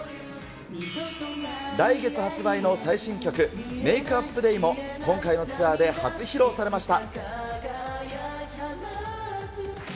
来月発売の最新曲、ＭａｋｅＵｐＤａｙも今回のツアーで初披露されました。